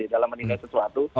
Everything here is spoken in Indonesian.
dalam meningkat sesuatu